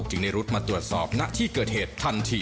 ในรุดมาตรวจสอบณที่เกิดเหตุทันที